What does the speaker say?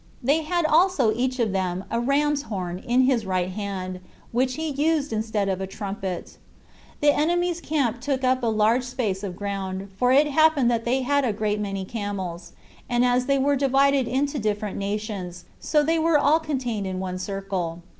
They had also each of them a ram's horn in his right hand, which he used instead of a trumpet. The enemy's camp took up a large space of ground, for it happened that they had a great many camels; and as they were divided into different nations, so they were all contained in one circle.